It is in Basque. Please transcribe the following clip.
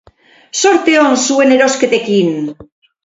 Zorte on zuen erosketekin!